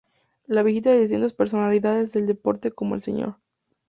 La visita de distintas personalidades del deporte como el Sr.